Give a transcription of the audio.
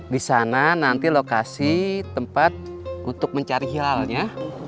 disana nanti lo kasih tempat untuk mencari hilalnya